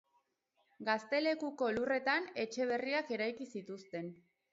Gaztelekuko lurretan etxe berriak eraiki zituzten.